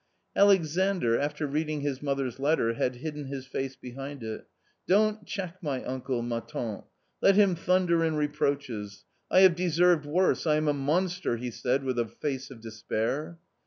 " Alexandr, after reading his mother's letter, had hidden his face behind it " Don't check my uncle, ma tante ; let him thunder in reproaches ; I have deserved worse ; lama monster !" he said, with a face of despair.